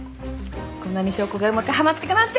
こんなに証拠がうまくはまってくなんて。